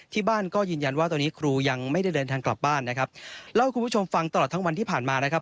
ที่บ้านก็ยืนยันว่าตอนนี้ครูยังไม่ได้เดินทางกลับบ้านนะครับเล่าให้คุณผู้ชมฟังตลอดทั้งวันที่ผ่านมานะครับ